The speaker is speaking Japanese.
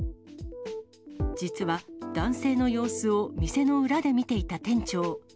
実は、男性の様子を店の裏で見ていた店長。